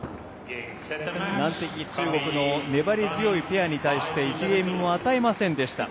難敵中国の粘り強いペアに対して１ゲームも与えませんでした。